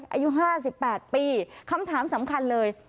อายุ๕๘ปีคำถามสำคัญเลย